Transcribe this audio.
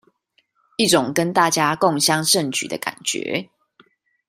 一種跟大家共襄盛舉的感覺